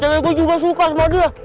cewek gue juga suka sama dia